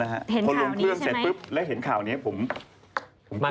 เห็นข่าวนี้ใช่ไหมพอลงเครื่องเสร็จปุ๊บแล้วเห็นข่าวนี้ผมโผล่หน้า